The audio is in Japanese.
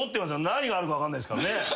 何があるか分かんないですからね。